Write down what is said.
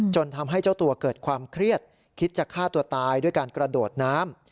จนทำให้เจ้าตัวเกิดความเครียดคิดจะฆ่าตัวตายด้วยการกระโดดน้ำ